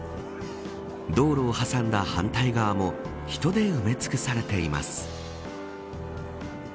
道路を挟んだ反対側も人で埋め尽くされています。